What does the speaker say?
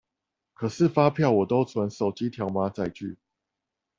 可是發票我都存手機條碼載具